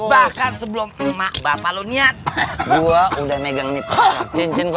bahkan sebelum emak bapak lo niat gue udah megang ini pasang cincin gua